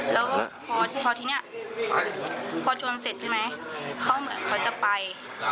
แล้วก็พอทีนี้พอจวนเสร็จใช่ไหมเขาเหมือนเขาจะไป